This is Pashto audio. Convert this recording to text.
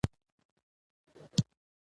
د داسې شخصیت له لاسه ورکول یې ضایعه وبلله.